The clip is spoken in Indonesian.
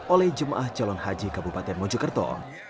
oleh jemaah calon haji kabupaten mojokerto